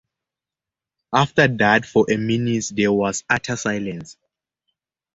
After that for a minute there was utter silence.